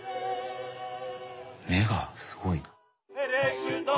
目がすごいな。